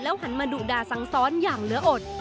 หันมาดุด่าสังซ้อนอย่างเหนืออด